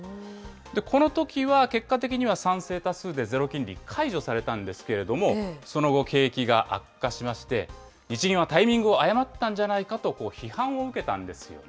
このときは、結果的には賛成多数でゼロ金利解除されたんですけれども、その後、景気が悪化しまして、日銀はタイミングを誤ったんじゃないかと批判を受けたんですよね。